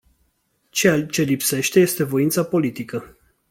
Ceea ce lipsește este voința politică.